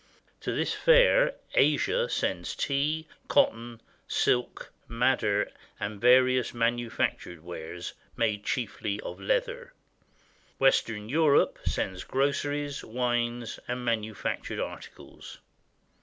To this fair Asia sends tea, cotton, silk, madder, and various manufactured wares, made chiefly of leather. Western Europe sends groceries, wines, and manufactured articles.